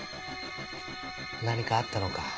何かあったのか？